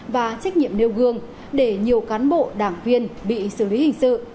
và trách nhiệm nêu gương để nhiều cán bộ đảng viên bị xử lý hình sự